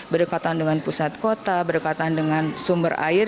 berdekatan dengan pusat kota berdekatan dengan sumber air